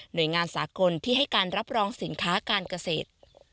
หน่วยงานสาคนที่ให้การรับรองสินค้าการกระเศษ